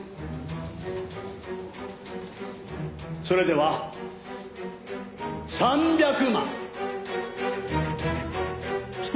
それでは３００万。